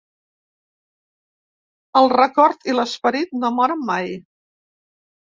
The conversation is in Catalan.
El record i l’esperit no moren mai.